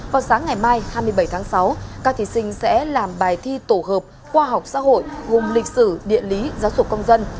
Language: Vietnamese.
vào sáng ngày mai hai mươi bảy tháng sáu các thí sinh sẽ làm bài thi tổ hợp khoa học xã hội gồm lịch sử địa lý giáo dục công dân